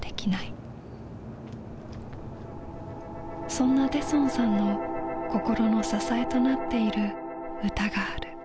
そんなデソンさんの心の支えとなっている歌がある。